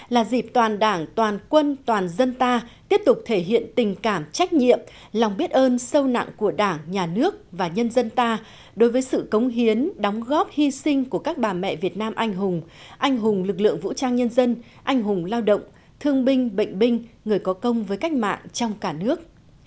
là dịp toàn đảng toàn quân toàn dân ta tiếp tục thể hiện tình cảm trách nhiệm lòng biết ơn sâu nặng của đảng nhà nước và nhân dân ta đối với sự cống hiến đóng góp hy sinh của các bà mẹ việt nam anh hùng anh hùng lực lượng vũ trang nhân dân anh hùng lao động thương binh bệnh binh người có công với cách mạng trong cả nước